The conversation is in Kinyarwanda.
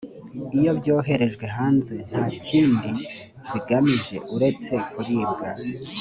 iyo byoherejwe hanze nta kindi bigamije uretse kuribwa